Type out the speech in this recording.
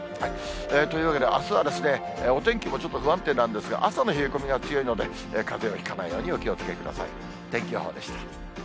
というわけで、あすはお天気もちょっと不安定なんですが、朝の冷え込みが強いので、かぜをひかないようにお気をつけください。